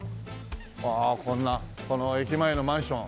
ああこんなこの駅前のマンション。